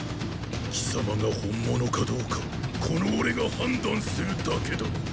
貴様が本物かどうかこの俺が判断するだけだ。